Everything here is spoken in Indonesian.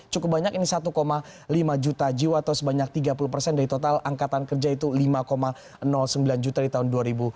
cukup banyak ini satu lima juta jiwa atau sebanyak tiga puluh persen dari total angkatan kerja itu lima sembilan juta di tahun dua ribu dua puluh